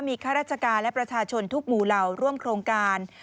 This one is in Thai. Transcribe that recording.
มีข้าราชการและประชาชนทุกหมู่เหล่าร่วมโครงการ